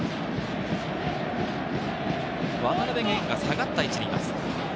渡辺弦が下がった位置にいます。